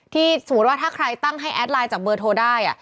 สมมุติว่าถ้าใครตั้งให้แอดไลน์จากเบอร์โทรได้